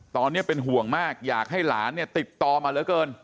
ตอนนี้เป็นห่วงมากอยากให้หลานเนี่ยติดต่อมาเหลือเกิน